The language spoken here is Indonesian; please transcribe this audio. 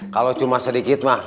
kalau cuma sedikit mah